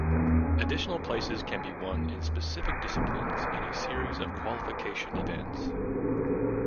Additional places can be won in specific disciplines in a series of qualification events.